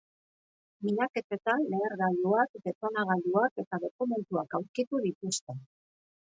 Miaketetan lehergailuak, detonagailuak eta dokumentuak aurkitu dituzte.